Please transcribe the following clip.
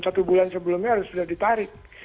satu bulan sebelumnya harus sudah ditarik